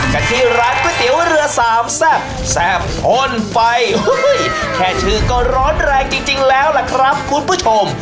กันที่ร้านก๋วยเตี๋ยวเรือสามแซ่บแซ่บพ่นไฟแค่ชื่อก็ร้อนแรงจริงแล้วล่ะครับคุณผู้ชม